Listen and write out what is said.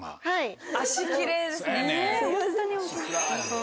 はい。